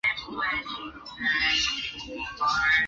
另一个环内的白头海雕并没有为此头戴皇冠。